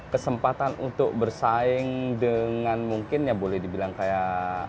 kesempatan untuk bersaing dengan mungkin ya boleh dibilang kayak